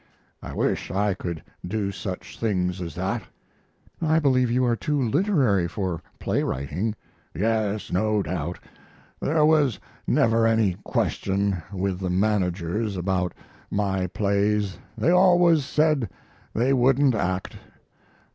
"I wish I could do such things as that." "I believe you are too literary for play writing." "Yes, no doubt. There was never any question with the managers about my plays. They always said they wouldn't act.